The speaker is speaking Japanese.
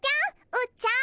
うっちゃん。